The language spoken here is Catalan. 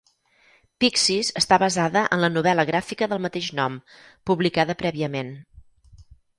"Pixies" està basada en la novel·la gràfica del mateix nom publicada prèviament.